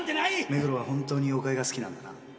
目黒は本当に妖怪が好きなんだな。